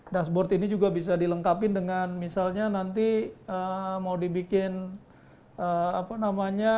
dashboard ini juga bisa dilengkapi dengan misalnya nanti mau dibikin apa namanya